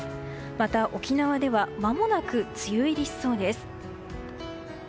また沖縄ではまもなく梅雨入りしそうです。